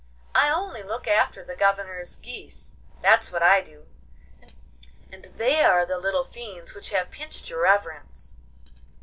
'I only look after the Governor's geese, that's what I do, and they are the little fiends which have pinched your reverence.